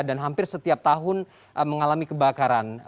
dan hampir setiap tahun mengalami kebakaran